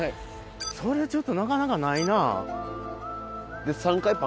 それはちょっとなかなかないなぁ。